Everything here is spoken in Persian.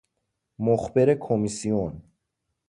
مخبر کمیسیون